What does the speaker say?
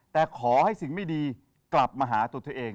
แต่ขอให้สิ่งไม่ดีกลับมาหาตัวเธอเอง